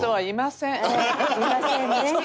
いませんね。